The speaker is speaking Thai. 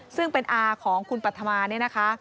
ซึ่งเป็นอาของคุณปรัฐมาเนี่ยนะคะ